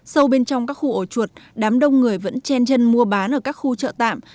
sâu bên trong các khu ổ chuột đám đông người vẫn chen chân mua bán ở các khu chợ tạm